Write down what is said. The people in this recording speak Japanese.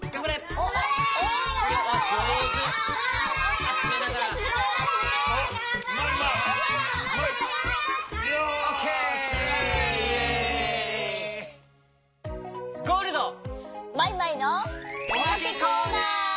「おまけコーナー」！